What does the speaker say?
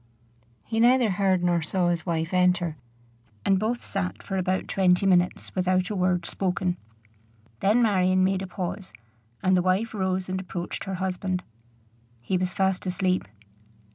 He neither heard nor saw his wife enter, and both sat for about twenty minutes without a word spoken. Then Marion made a pause, and the wife rose and approached her husband. He was fast asleep.